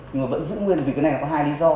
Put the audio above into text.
nhưng mà vẫn giữ nguyên vì cái này có hai lý do